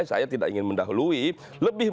saya tidak ingin mendahului lebih